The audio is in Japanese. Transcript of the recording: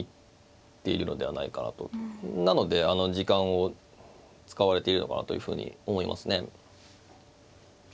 なので時間を使われているのかなというふうに思いますね。